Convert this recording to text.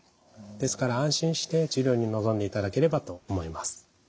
ですから安心して治療に臨んでいただければと思います。